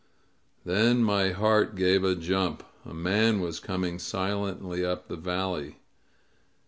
Then my heart gave a jump. A man was coining silently up the valley.